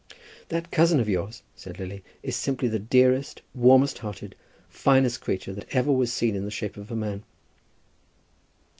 "That cousin of yours," said Lily, "is simply the dearest, warmest hearted, finest creature that ever was seen in the shape of a man."